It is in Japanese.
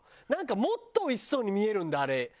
なんかもっとおいしそうに見えるんだあれ。